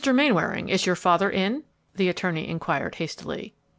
Mainwaring, is your father in?" the attorney inquired, hastily.